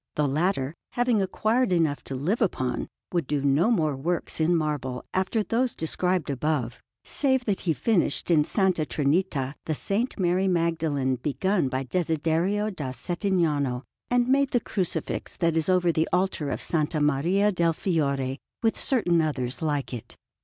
The latter, having acquired enough to live upon, would do no more works in marble after those described above, save that he finished in S. Trinita the S. Mary Magdalene begun by Desiderio da Settignano, and made the Crucifix that is over the altar of S. Maria del Fiore, with certain others like it.